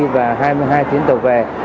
và hai mươi hai chuyến tàu về